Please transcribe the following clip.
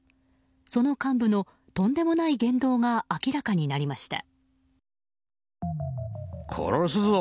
その幹部の、とんでもない言動が明らかになりました。